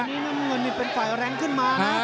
ตอนนี้มุมน้ำเงินมีเป็นฝ่ายแรงขึ้นมานะ